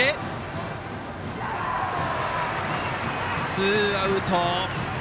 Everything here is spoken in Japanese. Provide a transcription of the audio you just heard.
ツーアウト。